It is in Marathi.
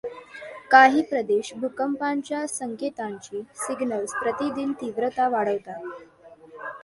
काही प्रदेश भूकंपाच्या संकेतांची सिग्नल्स प्रतिदिन तीव्रता वाढवतात.